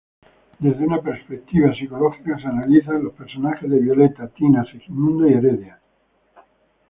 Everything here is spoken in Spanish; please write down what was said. Desde una perspectiva psicológica se analiza los personajes de Violeta, Tina, Segismundo y Heredia.